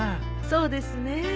そうですね。